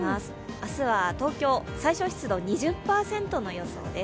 明日は東京、最小湿度２０％の予想です。